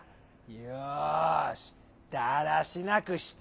よしだらしなくしてやるダラ。